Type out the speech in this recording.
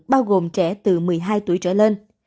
bao gồm trẻ từ một mươi hai tuổi trở lên